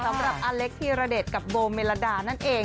สำหรับอเล็กธีรเดชกับโบเมลดานั่นเอง